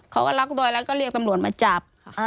เขาก็ล็อกตัวแล้วก็เรียกตำรวจมาจับ